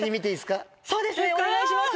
そうですねお願いします。